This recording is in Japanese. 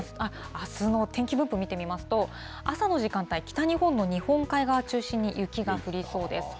あすの天気分布を見てみますと、朝の時間帯、北日本の日本海側を中心に雪が降りそうです。